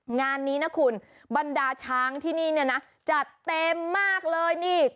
งานนี้นะคุณบรรดาช้างที่นี่จัดเต็มมากเลย